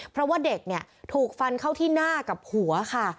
เพราะว่าเด็กเนี่ยถูกฟันเข้าที่หน้ากับหัวค่ะ